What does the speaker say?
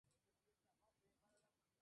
Naoki Miyata